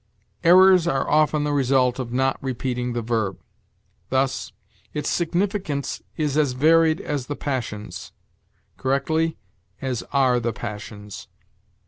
Errors are often the result of not repeating the verb; thus, "Its significance is as varied as the passions": correctly, "as are the passions."